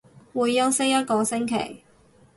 會休息一個星期